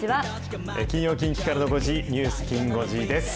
金曜、近畿からの５時、ニュースきん５時です。